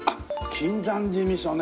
金山寺味噌ね。